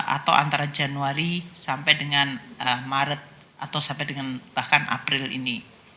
atau antara januari sampai dengan maret atau sampai dengan bahkan april ini